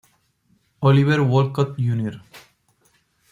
Oliver Wolcott Jr.